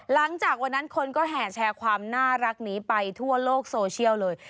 หลังจากวันนั้นคนก็แห่แชร์ความน่ารักนี้ไปทั่วโลกโซเชียลเลย